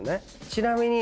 ちなみに。